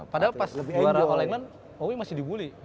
padahal pas juara all england owi masih di bully